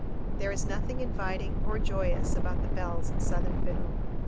There is nothing inviting or joyous about the bells in southern Peru.